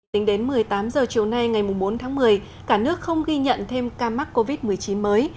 tính đến một mươi tám h chiều nay ngày bốn tháng một mươi cả nước không ghi nhận thêm ca mắc covid một mươi chín mới